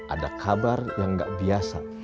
ada kabar yang gak biasa